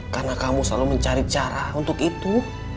karena kamu selalu mencari cara untuk itu